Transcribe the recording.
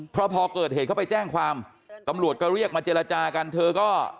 พอเกิดเหตุเขาไปแจ้งความตำรวจก็เรียกมาเจรจากันเธอก็